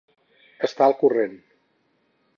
Estar al corrent.